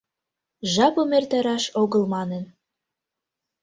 Жапым эртараш огыл манын.